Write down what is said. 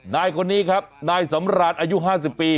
นายคนนี้ครับนายสำรานอายุห้าสิบปี